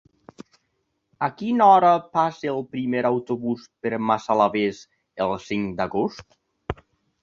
A quina hora passa el primer autobús per Massalavés el cinc d'agost?